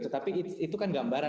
tapi itu kan gambaran